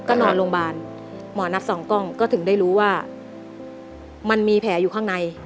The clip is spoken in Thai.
ก็นอนโรงพยาบาลหมอนัดสองกล้องก็ถึงได้รู้ว่ามันมีแผลอยู่ข้างใน